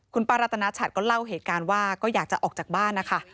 คุณป้ารัตนาชัดก็เล่าเหตุการณ์ว่าก็อยากจะออกจากบ้านนะคะ